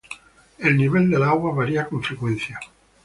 El nivel de las aguas varía con frecuencia.